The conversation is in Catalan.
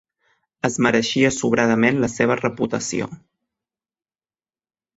Es mereixia sobradament la seva reputació.